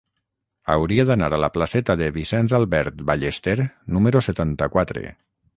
Hauria d'anar a la placeta de Vicenç Albert Ballester número setanta-quatre.